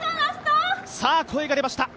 さあ、声が出ました。